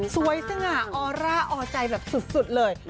สง่าออร่าออใจแบบสุดเลย